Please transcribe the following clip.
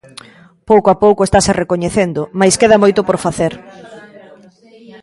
Pouco a pouco estase recoñecendo mais queda moito por facer.